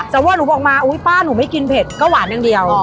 แต่ว่าหนูบอกมาอุ๊ยป้าหนูไม่กินเผ็ดก็หวานอย่างเดียว